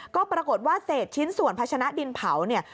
ก็ปรากฏว่าเศษชิ้นส่วนพัชนะดินเผาเนี่ย